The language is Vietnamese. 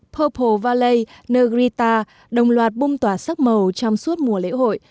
purple valet negrita đồng loạt bông tỏa sắc màu trong suốt mùa lễ hội